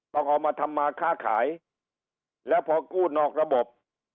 ต้องเอามาทำมาค้าขายแล้วพอกู้นอกระบบ